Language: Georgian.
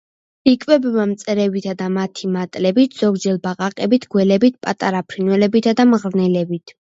იკვებება მწერებითა და მათი მატლებით, ზოგჯერ ბაყაყებით, გველებით, პატარა ფრინველებითა და მღრღნელებით.